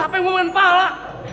apa yang mau main pala